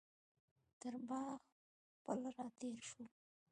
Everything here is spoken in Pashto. تر باغ پل راتېر شولو.